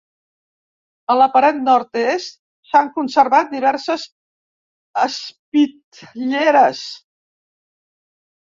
A la paret nord-est s'han conservat diverses espitlleres.